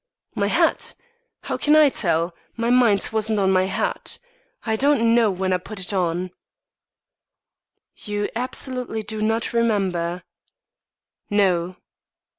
"My hat? How can I tell? My mind wasn't on my hat. I don't know when I put it on." "You absolutely do not remember?" "No."